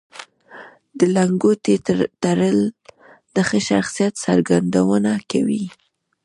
د لنګوټې تړل د ښه شخصیت څرګندونه کوي